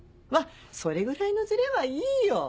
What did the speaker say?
まぁそれぐらいのズレはいいよ。